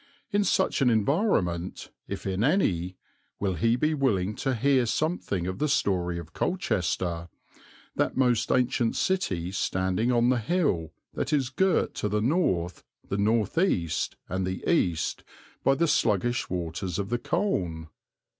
In such an environment, if in any, will he be willing to hear something of the story of Colchester, that most ancient city standing on the hill that is girt to the north, the north east, and the east by the sluggish waters of the Colne.